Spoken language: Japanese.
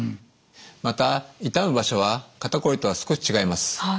また痛む場所は肩こりとは少し違います。